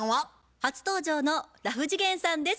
初登場のラフ次元さんです。